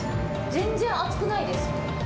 全然暑くないです。